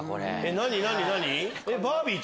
何？